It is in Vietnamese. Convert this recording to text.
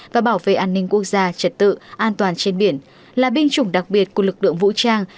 và bảo vệ an ninh quốc gia trật tự an toàn trên biển là binh chủng đặc biệt của lực lượng vũ trang